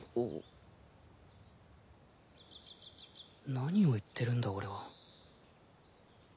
何を言ってるんだ俺は。